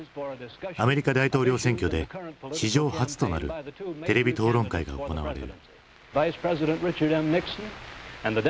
アメリカ大統領選挙で史上初となるテレビ討論会が行われる。